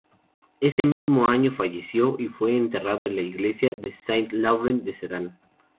Ese mismo año, falleció y fue enterrado en la iglesia de Saint-Laurent de Sedan.